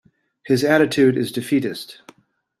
His attitude is defeatist.